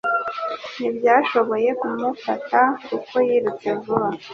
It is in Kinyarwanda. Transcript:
Ntibashoboye kumufata kuko yirutse vuba.